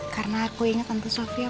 karena aku inget tante sofia